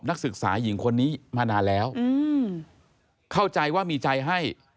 นักศึกษาหญิงคนนี้มานานแล้วเข้าใจว่ามีใจให้